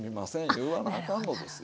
言わなあかんのですよ。